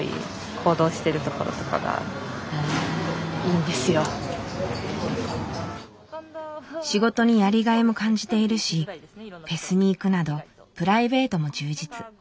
いやすごい何か仕事にやりがいも感じているしフェスに行くなどプライベートも充実。